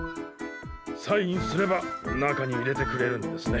サインすれば中に入れてくれるんですね。